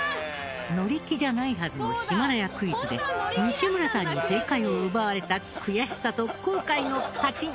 乗り気じゃないはずのヒマラヤクイズで西村さんに正解を奪われた悔しさと後悔の「パチンッ」。